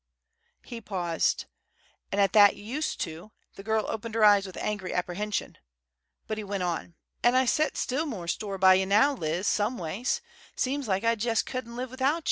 He paused; and at that "used to" the girl opened her eyes with angry apprehension. But he went on, "An' I set still more store by ye now, Liz, someways. Seems like I jest couldn't live without ye.